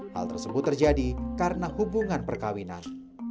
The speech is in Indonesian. hal tersebut terjadi karena hubungan perkawinan